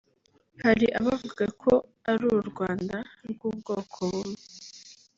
Hari abavugaga ko ari u Rwanda rw’ubwoko bumwe